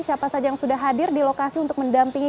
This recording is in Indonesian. siapa saja yang sudah hadir di lokasi untuk mendampingi